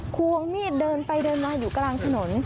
ควงนี่โดนไปโดนมาอยู่กลางถนน